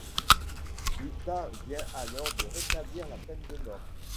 L'Utah vient alors de rétablir la peine de mort.